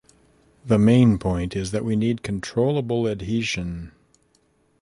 The main point is that we need controllable adhesion.